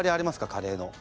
カレーの。